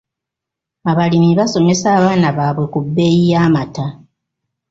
Abalimi basomesa abaana baabwe ku bbeeyi y'amata.